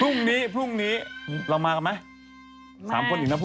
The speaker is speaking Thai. เป็นเรียกเดี๋ยวกันนะคะตอนการณ์การเรา